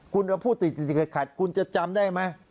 คุณจะพูดติดติดขัดขัดคุณจะจำได้ไหม